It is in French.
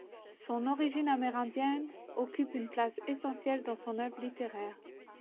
Son origine amérindienne occupe une place essentielle dans son œuvre littéraire.